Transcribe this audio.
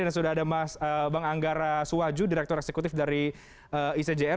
dan sudah ada bang anggara suwaju direktur eksekutif dari icjr